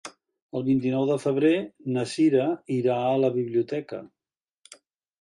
El vint-i-nou de febrer na Cira irà a la biblioteca.